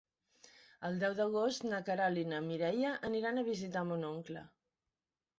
El deu d'agost na Queralt i na Mireia aniran a visitar mon oncle.